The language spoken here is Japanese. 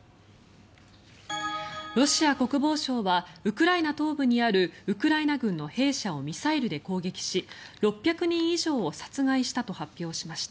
ロシア国防省はウクライナ東部にあるウクライナ軍の兵舎をミサイルで攻撃し６００人以上を殺害したと発表しました。